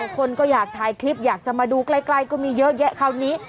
คนก็อยากถ่ายคลิปอยากจะมาดูใกล้ก็มีเยอะแยะคราวนี้